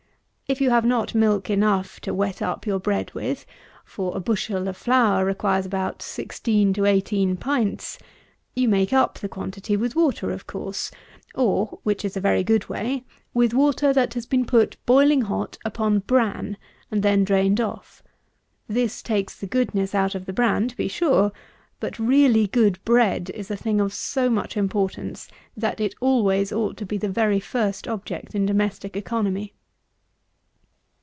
If you have not milk enough to wet up your bread with (for a bushel of flour requires about 16 to 18 pints,) you make up the quantity with water, of course; or, which is a very good way, with water that has been put, boiling hot, upon bran, and then drained off. This takes the goodness out of the bran to be sure; but really good bread is a thing of so much importance, that it always ought to be the very first object in domestic economy.